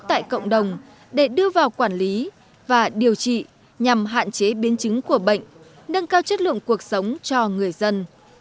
tại cộng đồng để đưa vào quản lý và điều trị nhằm hạn chế biến chứng của bệnh nâng cao chất lượng cuộc sống cho người dân